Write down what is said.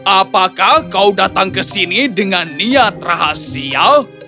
apakah kau datang ke sini dengan niat rahasia